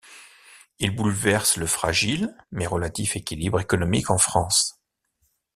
Il bouleverse le fragile mais relatif équilibre économique en France.